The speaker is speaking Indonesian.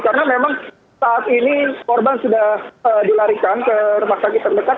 karena memang saat ini korban sudah dilarikan ke rumah sakit terdekat